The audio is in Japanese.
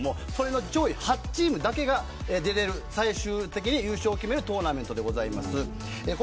上位８チームだけが出れる最終的に優勝を決めるトーナメントです。